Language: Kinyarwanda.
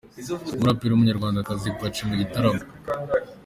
Umuraperi w’umunyarwandakazi paci mu gitaramo